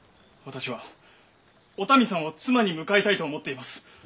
私はお民さんを妻に迎えたいと思っています。